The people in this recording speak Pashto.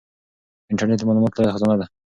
انټرنیټ د معلوماتو لویه خزانه ده.